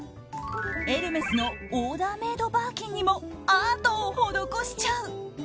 エルメスのオーダーメードバーキンにもアートを施しちゃう！